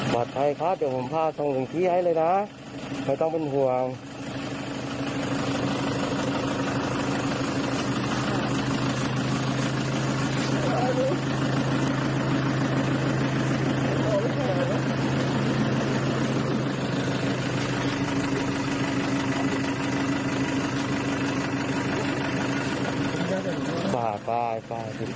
บ๊ายติดตัวกลับ